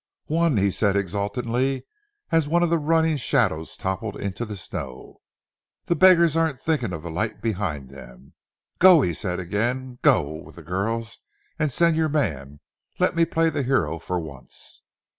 "One!" he said exultantly, as one of the running shadows toppled into the snow. "The beggars aren't thinking of the light behind them.... Go!" he said again. "Go with the girls and send your man. Let me play the hero for once....